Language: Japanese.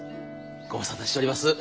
ご無沙汰しちょります。